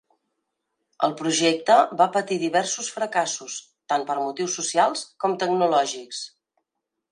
El projecte va patir diversos fracassos, tant per motius socials com tecnològics.